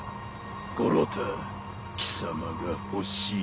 五郎太貴様が欲しい。